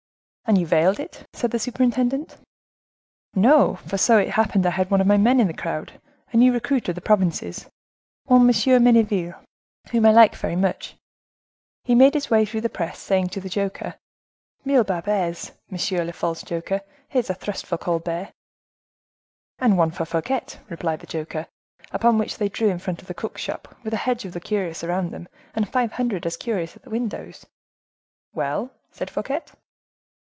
"And you veiled it?" said the superintendent. "No, for so it happened I had one of my men in the crowd; a new recruit from the provinces, one M. Menneville, whom I like very much. He made his way through the press, saying to the joker: 'Mille barbes! Monsieur the false joker, here's a thrust for Colbert!' 'And one for Fouquet,' replied the joker. Upon which they drew in front of the cook's shop, with a hedge of the curious round them, and five hundred as curious at the windows." "Well?" said Fouquet.